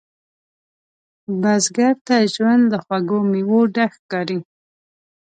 بزګر ته ژوند له خوږو میوو ډک ښکاري